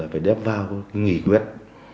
phải đáp vào nghỉ quyết